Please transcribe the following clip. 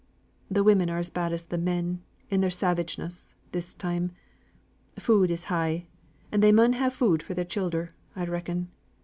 Th' women are as bad as th' men, in their savageness, this time. Food is high, and they mun have food for their childer, I reckon.